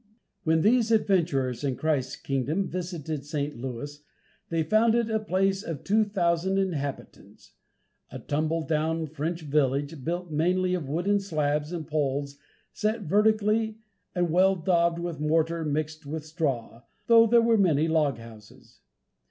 When these adventurers in Christ's kingdom visited St. Louis, they found it a place of two thousand inhabitants, "a tumble down French village, built mainly of wooden slabs and poles set vertically, and well daubed with mortar mixed with straw, though there were many log houses."